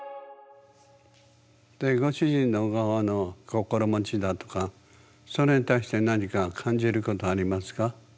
でご主人の側の心持ちだとかそれに対して何か感じることありますか？